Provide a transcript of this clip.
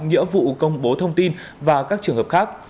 nghĩa vụ công bố thông tin và các trường hợp khác